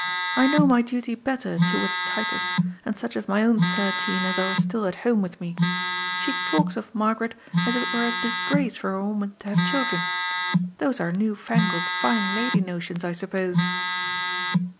I know my duty better towards Titus and such of my own thirteen as are still at home with me. She talks of Margaret, as if it were a disgrace for a woman to have children. Those are new fangled fine lady notions, I suppose."